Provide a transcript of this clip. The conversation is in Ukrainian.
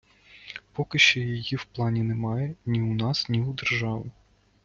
Поки ще її в плані немає ні у нас, ні у держави.